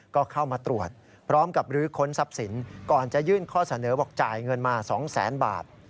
ก็เข้ามาตรวจพร้อมกับลื้อค้นทรัพย์สินก่อนจะยื่นข้อเสนอบอกจ่ายเงินมา๒แสนบาท